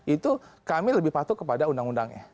itu kami lebih patuh kepada undang undangnya